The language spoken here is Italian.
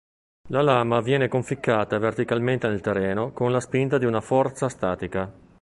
La lama viene conficcata verticalmente nel terreno con la spinta di una forza statica.